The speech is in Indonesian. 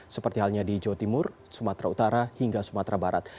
seperti halnya di jawa timur sumatera utara hingga sumatera barat